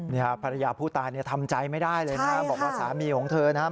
เนี้ยภรรยาผู้ตายนี่ทำใจไม่ได้เลยใช่ค่ะบอกว่าสามีของเธอนะฮะ